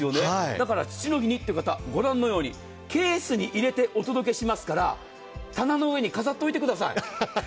だから父の日にという方ご覧のようにケースに入れてお届けしますから棚の上に飾っておいてください。